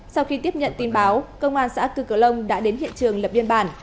sau khi tiếp nhận tin báo công an xã cư cửa long đã đến hiện trường lập biên bản